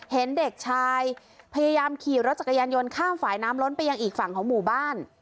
เห็นเด็กชายพยายามขี่รถจักรยานยนต์ข้ามฝ่ายน้ำล้นไปยังอีกฝั่งของหมู่บ้าน